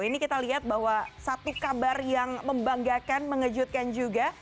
ini kita lihat bahwa satu kabar yang membanggakan mengejutkan juga